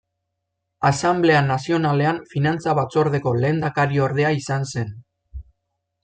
Asanblea Nazionalean Finantza batzordeko lehendakariordea izan zen.